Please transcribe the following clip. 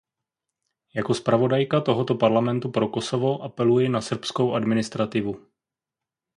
Jako zpravodajka tohoto Parlamentu pro Kosovo apeluji na srbskou administrativu.